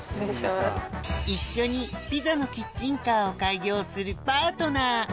一緒にピザのキッチンカーを開業するパートナー